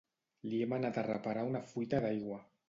li hem anat a reparar una fuita d'aigua